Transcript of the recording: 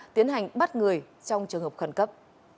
tiến hành bắt người trong trường hợp khẩn cấp